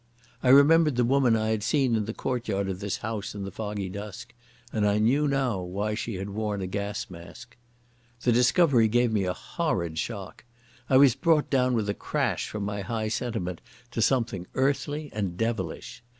I remembered the woman I had seen in the courtyard of this house in the foggy dusk, and I knew now why she had worn a gas mask. This discovery gave me a horrid shock. I was brought down with a crash from my high sentiment to something earthly and devilish.